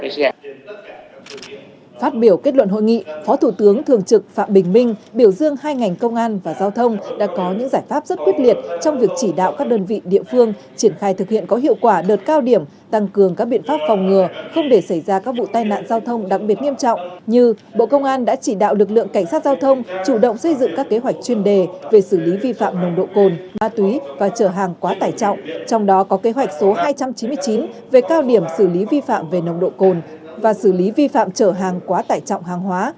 trong phát biểu kết luận hội nghị phó thủ tướng thường trực phạm bình minh biểu dương hai ngành công an và giao thông đã có những giải pháp rất quyết liệt trong việc chỉ đạo các đơn vị địa phương triển khai thực hiện có hiệu quả đợt cao điểm tăng cường các biện pháp phòng ngừa không để xảy ra các vụ tai nạn giao thông đặc biệt nghiêm trọng như bộ công an đã chỉ đạo lực lượng cảnh sát giao thông chủ động xây dựng các kế hoạch chuyên đề về xử lý vi phạm nồng độ cồn ma túy và trở hàng quá tải trọng trong đó có kế hoạch số hai trăm chín mươi chín về cao điểm xử lý vi ph